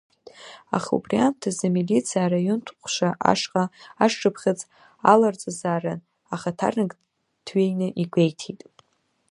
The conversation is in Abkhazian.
Аха убри аамҭазы, амилициа араионтә ҟәша ашҟа ашшыԥхьыӡ аларҵазаарын, ахаҭарнак дҩеины игәеиҭеит.